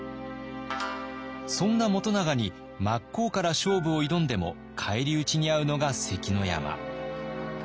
そんな元長に真っ向から勝負を挑んでも返り討ちに遭うのが関の山。